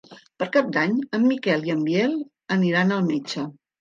Per Cap d'Any en Miquel i en Biel aniran al metge.